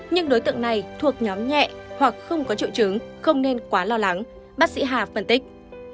nhưng đối tượng này thuộc nhóm nhẹ hoặc không có triệu chứng không nên quá lo lắng bác sĩ hà phân tích